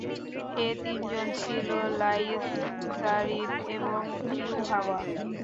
এ তিনজন ছিল Laith, Zarid এবং ইউহাওয়া।